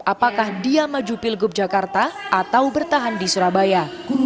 apakah dia maju pilgub jakarta atau bertahan di surabaya